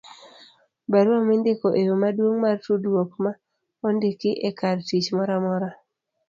barua mindiko e yo maduong' mar tudruok ma ondiki e kartich moramora